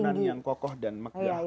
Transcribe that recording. makanan yang kokoh dan megah